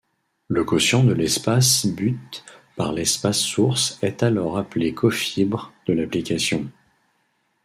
Le quotient de l'espace but par l'espace source est alors appelé cofibre de l'application.